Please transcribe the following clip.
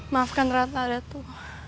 maafkan ratna datuk